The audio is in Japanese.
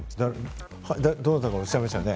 どなたかおっしゃいましたよね？